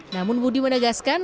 namun budi menegaskan